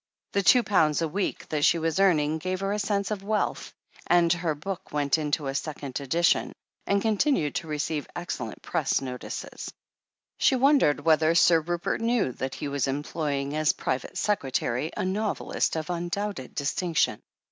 The two pounds a week that she was earning gave her a sense of wealth, and her book went into a second 258 THE HEEL OF ACHILLES edition and continued to receive excellent Press notices. She wondered whether Sir Rupert knew that he was employing as private secretary a novelist of undoubted distinction.